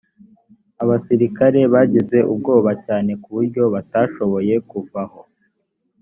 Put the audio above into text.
abasirikare bagize ubwoba cyane ku buryo batashoboye kuva aho